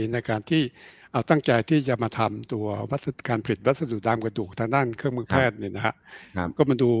ซึ่งเอาตั้งใจให้ไปทำการผิดวัสดุดามกระดูกถ้านั่นเครื่องมือแพทย์